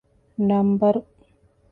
ނަންބަރު